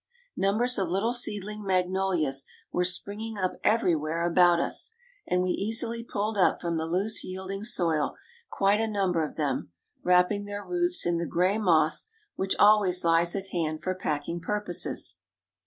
Numbers of little seedling magnolias were springing up everywhere about us; and we easily pulled up from the loose yielding soil quite a number of them, wrapping their roots in the gray moss which always lies at hand for packing purposes.